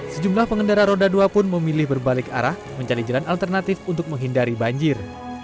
sejumlah pengendara roda dua pun memilih berbalik arah mencari jalan alternatif untuk menghindari banjir